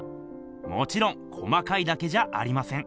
もちろん細かいだけじゃありません。